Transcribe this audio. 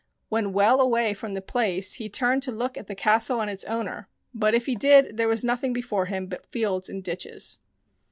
When well away from the place he turned to look at the castle and its owner, but if he did there was nothing before him but fields and ditches.